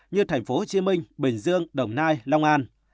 như thành phố hồ chí minh bình dương đồng nai long an